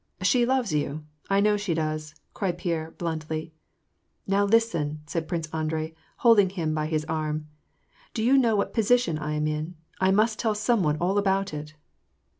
" She loves you, I know she does," cried Pierre bluntly. " Now listen !" said Prince Andrei, holding him by his arm. *^ Do you know what a position I am in ? I must tell some one all about it